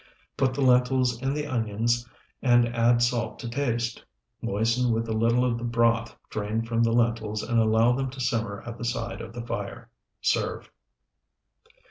Put the lentils in the onions and add salt to taste. Moisten with a little of the broth drained from the lentils and allow them to simmer at the side of the fire. Serve.